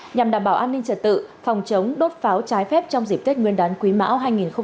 nhằm đảm bảo an ninh trật tự phòng chống đốt pháo trái phép trong dịp tết nguyên đán quý mão hai nghìn hai mươi